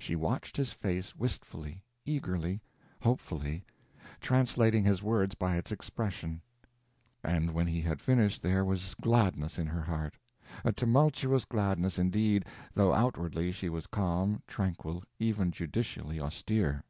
She watched his face wistfully, eagerly, hopefully, translating his words by its expression; and when he had finished there was gladness in her heart—a tumultuous gladness, indeed, though outwardly she was calm, tranquil, even judicially austere.